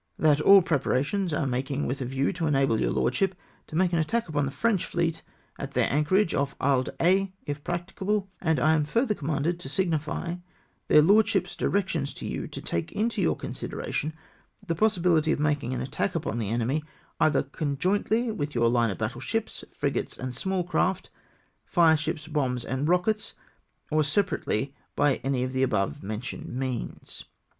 That all preparations are making with a view to enable your lordship to make an attack upon the French fleet at their anchorage off Isle d' Aix, if practicable ; and I am further commanded to signify their Lordships' directions to you, to take into your consideration the possibility of making an attack upon the enemy, either conjointly mth your line of battle ships, frigates, and small craft, fire ships, bombs, and rockets — or separately by any of the above named means.